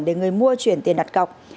để người mua chuyển tiền đặt cọc